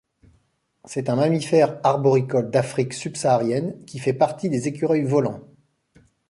C'est un mammifère arboricole d'Afrique subsaharienne qui fait partie des écureuils volants.